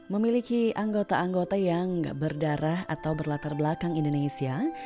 memiliki anggota anggota yang berdarah atau berlatar belakang indonesia